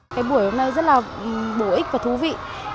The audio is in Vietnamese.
cái buổi hôm nay rất là bổ ích và thú vị